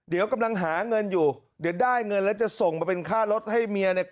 เดี๋ยวกำลังหาเงินอยู่เดี๋ยวได้เงินแล้วจะส่งมาเป็นค่ารถให้เมียเนี่ย